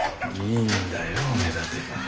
いいんだよ目立てば。